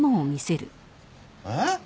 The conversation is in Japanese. えっ？